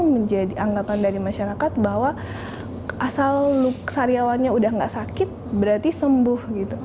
ini menjadi anggapan dari masyarakat bahwa asal saryawannya sudah tidak sakit berarti sembuh